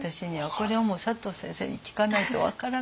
これはもう佐藤先生に聞かないと分からないです。